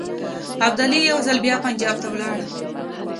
ابدالي یو ځل بیا پنجاب ته ولاړ.